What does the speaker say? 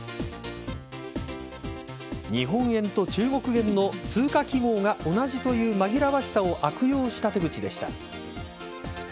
日本円と中国元の通貨記号が同じというまぎらわしさを悪用した手口でした。